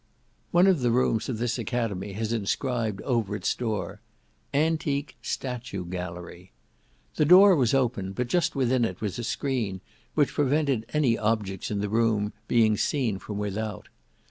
One of the rooms of this academy has inscribed over its door, ANTIQUE STATUE GALLERY The door was open, but just within it was a screen, which prevented any objects in the room being seen from without.